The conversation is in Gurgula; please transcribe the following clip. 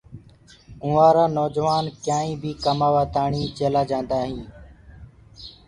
ڪنٚوُآرآ نوجوآن ڪيآئينٚ بي ڪمآوآ تآڻي چيلآ جآندآ هينٚ۔